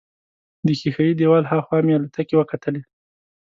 د ښیښه یي دیوال هاخوا مې الوتکې وکتلې.